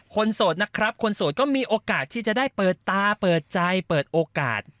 โสดนะครับคนโสดก็มีโอกาสที่จะได้เปิดตาเปิดใจเปิดโอกาส